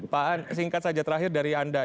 pak an singkat saja terakhir dari anda